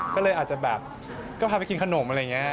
ก็เลยอาจจะแบบก็พาไปกินขนมอะไรอย่างนี้